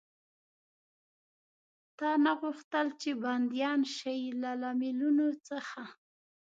تا نه غوښتل، چې بندیان شي؟ له لاملونو څخه.